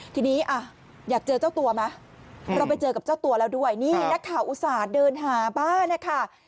ทีนี้อยากเจอเจ้าตัวไหมเราไปเจอกับเจ้าตัวแล้วด้วยนี่นักข่าวอุตส่าห์เดินหาบ้านนะคะ